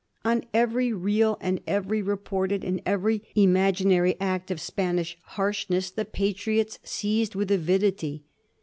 On every real and every reported and every imaginary act of Span ish harshness the Patriots seized with avidity.